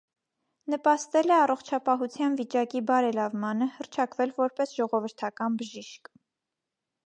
Նպաստել է առողջապահության վիճակի բարելավմանը, հռչակվել որպես ժողովրդական բժիշկ։